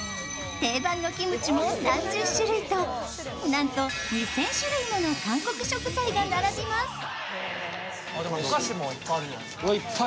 定番のキムチも３０種類となんと２０００種類もの韓国食材が並びます。